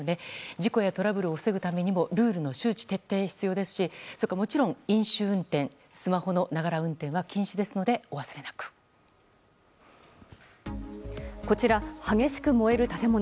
事故やトラブルを防ぐためにもルールの周知徹底が必須ですし飲酒運転やスマホのながら運転は禁止ですのでこちら、激しく燃える建物。